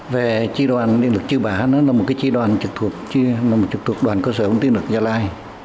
về tri đoàn điện lực chư bã nó là một tri đoàn trực thuộc đoàn cơ sở công ty điện lực gia lai